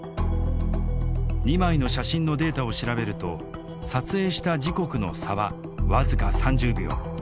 ２枚の写真のデータを調べると撮影した時刻の差は僅か３０秒。